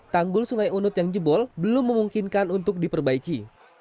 tanggul sungai unut yang jebol belum memungkinkan untuk diperbaiki